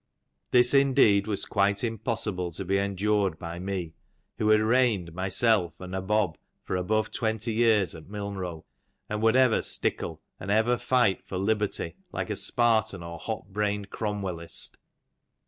This indeed was quite impossible to be endured by me, who had reigned, myself, a Nabob for above twenty years at Milnrow, and would ever stickle and ever fight for Liberty like a Spartan or hot brained CromweUist.